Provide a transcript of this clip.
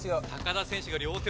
田選手が田選手